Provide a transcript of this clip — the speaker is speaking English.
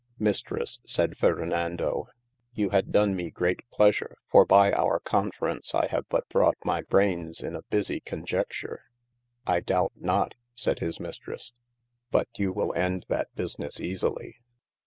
Mistresse sayd Ferdinando you had done mee great pleasure, for by our conference I have but brought my braynes in a busie conjecture. I doubt not (sayd his Mistresse) but you wil end that busines easely.